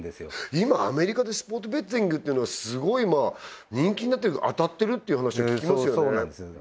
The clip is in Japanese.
今アメリカでスポーツベッティングっていうのはすごい人気になってる当たってるって話を聞きますよねそうなんですよ